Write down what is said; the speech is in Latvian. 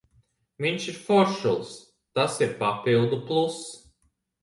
Viņš ir foršulis, tas ir papildu pluss.